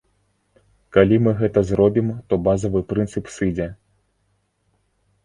Калі мы гэта зробім, то базавы прынцып сыдзе!